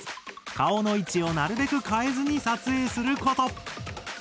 顔の位置をなるべく変えずに撮影すること。